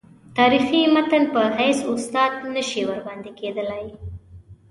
تاریخي متن په حیث استناد نه شي ورباندې کېدلای.